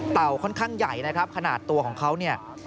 ค่อนข้างใหญ่นะครับขนาดตัวของเขาเนี่ย